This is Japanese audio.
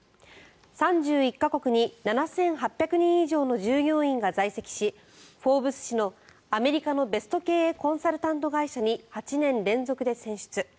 ３１か国に７８００人以上の従業員が在籍し「フォーブス」誌の、アメリカのベスト経営コンサルタント会社に８年連続で選出。